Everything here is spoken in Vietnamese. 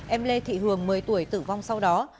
em lê thị hường một mươi tuổi tử vong sau đó